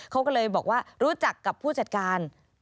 เขาก็เลยบอกว่ารู้จักกับผู้จัดการ